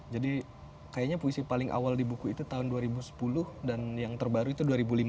jadi kayaknya puisi paling awal di buku itu tahun dua ribu sepuluh dan yang terbaru itu dua ribu lima belas